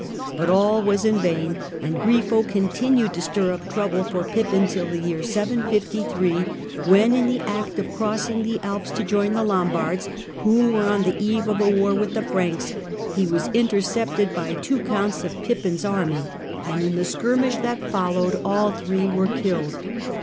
But all was in vain, and Grifo xmtinued to stir up trouble for Pippin till the year 753, vhen in the act of crossing the Alps to join the Lombards, vho were on the eve of a war with the Franks, he was ntercepted by two counts of Pippin's army, and in the 116 THE DAWN OF MEDIAEVAL EUROPE skirmish that followed all three were killed.